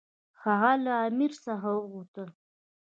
هغه له امیر څخه وغوښتل.